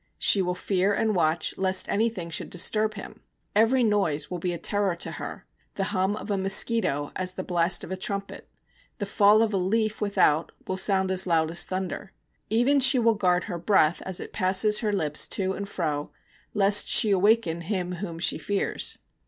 She will fear and watch lest anything should disturb him. Every noise will be a terror to her; the hum of a mosquito as the blast of a trumpet; the fall of a leaf without will sound as loud as thunder. Even she will guard her breath as it passes her lips to and fro, lest she awaken him whom she fears.